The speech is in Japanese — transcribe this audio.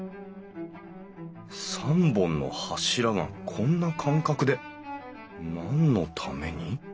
３本の柱がこんな間隔で何のために？